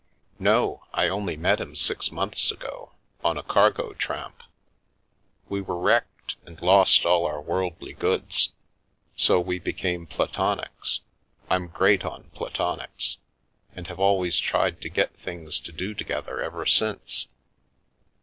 " No ; I only met him six months ago, on a cargo tramp. We were wrecked and lost all our worldly goods. So we became platonics — I'm great on platonics — and have always tried to get things to do together ever since."